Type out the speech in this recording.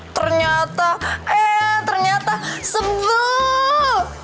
ternyata eh ternyata sebel